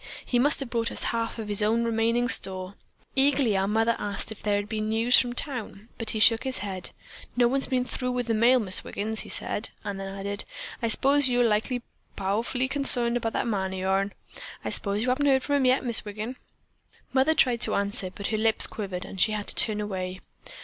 He must have brought us half of his own remaining store. Eagerly our mother asked if there had been news from town, but he shook his head. 'No one's been through with the mail, Mis' Wiggin,' he said; then he added: 'I s'pose likely you're powerful consarned about that man o' yourn. I s'pose you haven't heard from him yet, Mis' Wiggin?' "Mother tried to answer, but her lips quivered and she had to turn away.